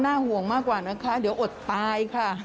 ห่วงมากกว่านะคะเดี๋ยวอดตายค่ะ